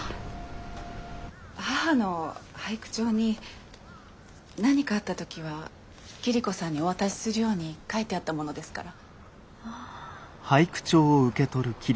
母の俳句帳に何かあった時は桐子さんにお渡しするように書いてあったものですから。